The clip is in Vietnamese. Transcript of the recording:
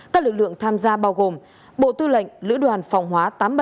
các lực lượng tham gia bao gồm bộ tư lệnh lữ đoàn phòng hóa tám mươi bảy